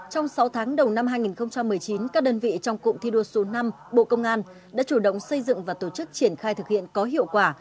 trong sáu tháng đầu năm hai nghìn một mươi chín các đơn vị trong cụm thi đua số năm bộ công an đã chủ động xây dựng và tổ chức triển khai thực hiện có hiệu quả